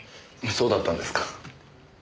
そうだったんですか。